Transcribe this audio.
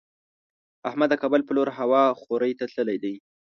احمد د کابل په لور هوا خورۍ ته تللی دی.